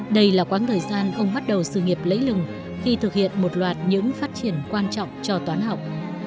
đây là quãng thời gian ông bắt đầu sự nghiệp lấy lừng khi thực hiện một loạt những phát triển quan trọng cho toán học